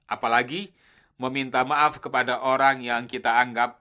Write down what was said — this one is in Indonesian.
apalagi meminta maaf kepada orang yang kita anggap